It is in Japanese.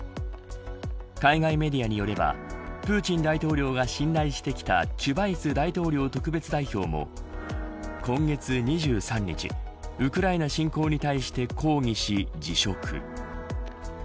海外メディアによればプーチン大統領が信頼してきたチュバイス大統領特別代表も今月２３日ウクライナ侵攻に対して抗議し辞職。